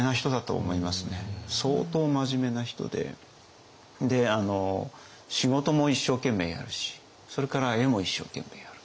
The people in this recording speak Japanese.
相当真面目な人で仕事も一生懸命やるしそれから絵も一生懸命やる。